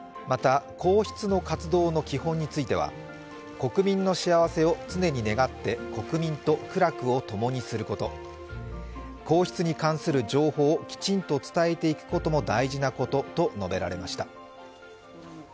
また、皇室の活動の基本については国民の幸せを常に願って、国民と苦楽を共にすること皇室に関する情報をきちんと伝えていくことも大事なこととも述べられました。